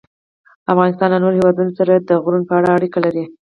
افغانستان له نورو هېوادونو سره د غرونو په اړه اړیکې لري.